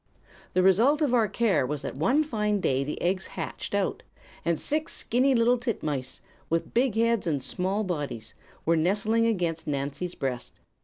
"The result of our care was that one fine day the eggs hatched out, and six skinny little titmice, with big heads and small bodies, were nestling against Nancy's breast.